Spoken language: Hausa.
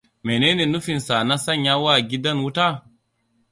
Mene ne nufinsa na sanya wa gidan wuta?